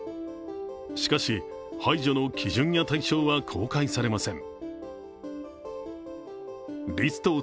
しかし、排除の基準や対象は公開されません。